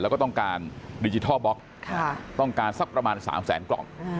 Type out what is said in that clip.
แล้วก็ต้องการดิจิทัลบล็อกต้องการสักประมาณ๓แสนกล่อง